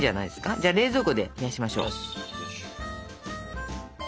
じゃあ冷蔵庫で冷やしましょう。